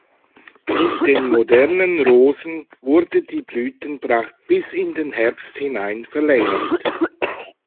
Mit den modernen Rosen wurde die Blütenpracht bis in den Herbst hinein verlängert.